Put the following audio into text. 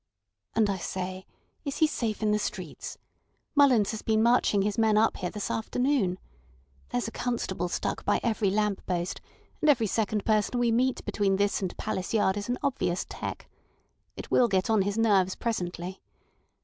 And, I say, is he safe in the streets? Mullins has been marching his men up here this afternoon. There's a constable stuck by every lamp post, and every second person we meet between this and Palace Yard is an obvious 'tec.' It will get on his nerves presently.